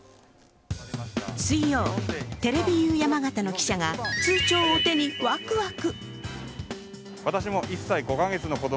水曜日、テレビユー山形の記者が通帳を手にワクワク。